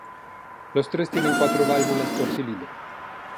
Los tres tienen cuatro válvulas por cilindro.